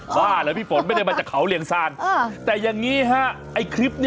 หมดว่าไปเต่กล้อดนะครับ